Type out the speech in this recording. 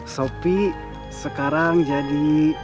sopi sekarang jadi